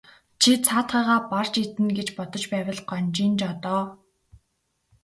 Чи цаадхыгаа барж иднэ гэж бодож байвал гонжийн жоо доо.